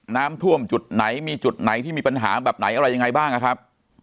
น้ำท่วมจุดไหนมีจุดไหนที่มีปัญหาแบบไหนอะไรยังไงบ้างนะครับ